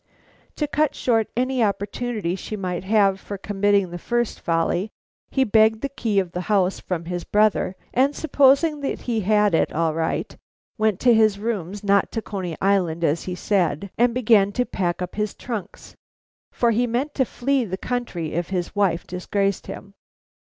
To cut short any opportunity she might have for committing the first folly, he begged the key of the house from his brother, and, supposing that he had it all right, went to his rooms, not to Coney Island as he said, and began to pack up his trunks. For he meant to flee the country if his wife disgraced him.